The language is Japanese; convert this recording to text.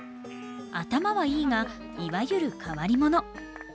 頭はいいがいわゆる変わり者。